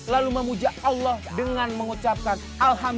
lalu memuja allah dengan mengucapkan alhamdulillah